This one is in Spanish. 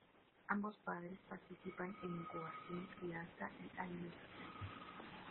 Ambos padres participan en incubación, crianza y alimentación.